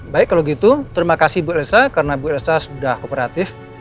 baik kalau gitu terima kasih bu elsa karena bu elsa sudah kooperatif